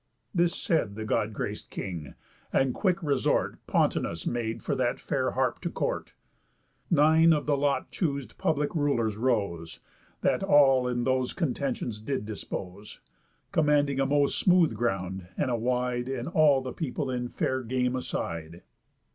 This said the God grac'd king; and quick resort Pontonous made for that fair harp to court. Nine of the lot choos'd public rulers rose, That all in those contentions did dispose, Commanding a most smooth ground, and a wide, And all the people in fair game aside.